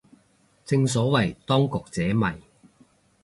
正所謂當局者迷